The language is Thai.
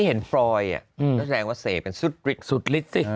เห็นฟรอยอ่ะก็แสดงว่าเสพเป็นสุดฤทธิ์